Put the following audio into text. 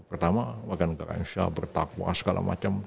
pertama warga negara indonesia bertakwa segala macam